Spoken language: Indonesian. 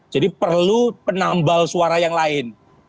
jadi perlu penambal suara yang lain